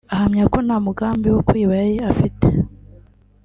ahamya ko nta mugambi wo kuyiba yari afite